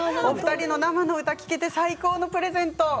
お二人の生の歌が聴けて最高のプレゼント。